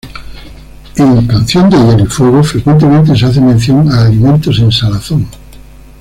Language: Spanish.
En "Canción de hielo y fuego" frecuentemente se hace mención a alimentos en salazón.